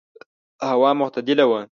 هوا معتدله وه.